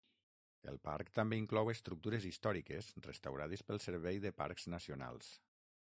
El parc també inclou estructures històriques restaurades pel Servei de Parcs Nacionals.